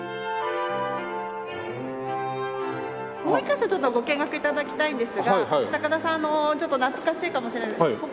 もう１カ所ちょっとご見学頂きたいんですが高田さんのちょっと懐かしいかもしれない。